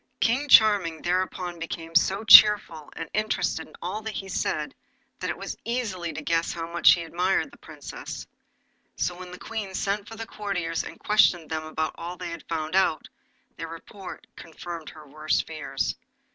King Charming thereupon became so cheerful, and interested in all he said, that it was easy to guess how much he admired the Princess. So when the Queen sent for the courtiers and questioned them about all they had found out, their report confirmed her worst fears.